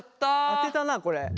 当てたなこれ。